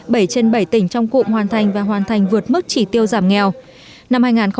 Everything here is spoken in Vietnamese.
bảy trên bảy tỉnh trong cụm hoàn thành và hoàn thành vượt mức chỉ tiêu giảm nghèo